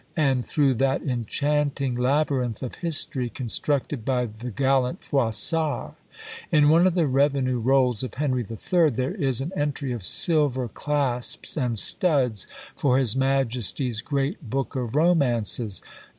and through that enchanting labyrinth of History constructed by the gallant Froissart. In one of the revenue rolls of Henry III. there is an entry of "Silver clasps and studs for his majesty's great book of Romances." Dr.